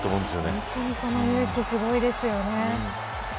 本当にその勇気すごいですね。